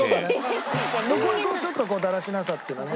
そこにこうちょっとだらしなさっていうのはね。